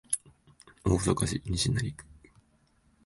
大阪市西成区